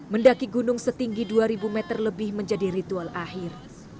mendaki gunung setinggi dua ribu meter lebih menjadi ritual akhir